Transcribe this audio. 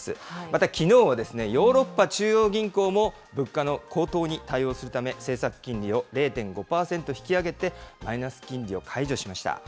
また、きのうはヨーロッパ中央銀行も物価の高騰に対応するため、政策金利を０．５％引き上げて、マイナス金利を解除しました。